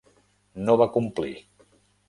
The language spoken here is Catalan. No va complir.